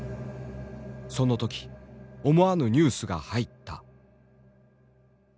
その時思わぬニュースが入った。